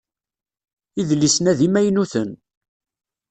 Idlisen-a d imaynuten.